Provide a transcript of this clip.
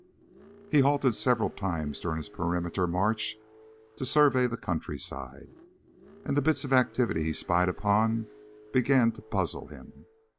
He halted several times during his perimeter march to survey the countryside. And the bits of activity he spied upon began to puzzle him.